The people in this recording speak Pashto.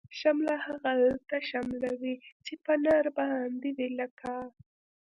شمله هغلته شمله وی، چه په نرباندی وی لکه